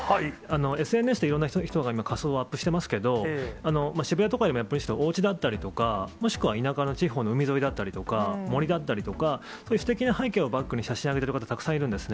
ＳＮＳでいろんな人が今、仮装をアップしてますけど、渋谷とか、おうちだったりとか、もしくは田舎の地方の森だったりとか、すてきな背景をバックに写真を上げている人、たくさんいるんですね。